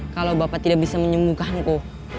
kalau bapak tidak bisa menyembuhkanku